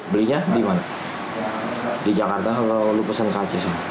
belinya di mana di jakarta kalau lo pesan kaca